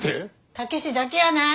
武志だけやない。